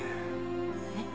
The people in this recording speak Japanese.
えっ。